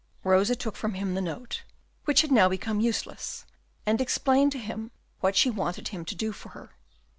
Rosa took from him the note, which had now become useless, and explained to him what she wanted him to do for her.